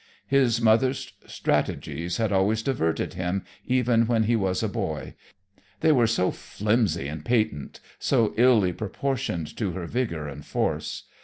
His mother's strategies had always diverted him, even when he was a boy they were so flimsy and patent, so illy proportioned to her vigor and force.